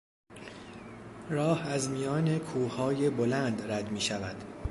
راه از میان کوههای بلند رد میشود.